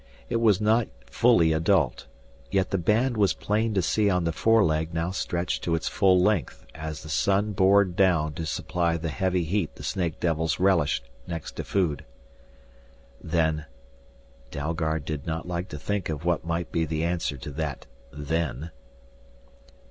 It was not fully adult, yet the band was plain to see on the foreleg now stretched to its full length as the sun bored down to supply the heavy heat the snake devils relished next to food. "Then " Dalgard did not like to think of what might be the answer to that "then."